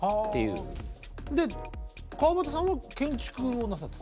で川畑さんは建築をなさってた？